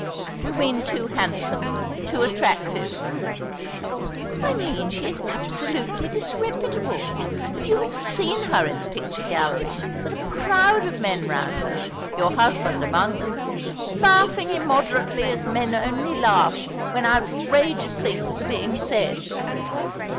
"Do you mean too handsome, too attractive?" "I mean she is absolutely disreputable. If you had seen her in the picture gallery, with a crowd of men round her your husband among them laughing immoderately, as men only laugh when outrageous things are being said!"